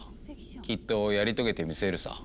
きっとやり遂げてみせるさ。